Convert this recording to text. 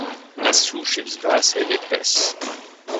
La souche est vivace et épaisse.